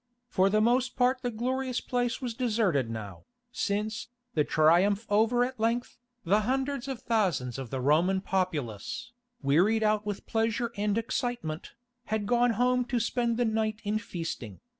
For the most part the glorious place was deserted now, since, the Triumph over at length, the hundreds of thousands of the Roman populace, wearied out with pleasure and excitement, had gone home to spend the night in feasting.